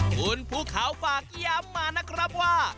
คุณภูเขาฝากย้ำมานะครับว่า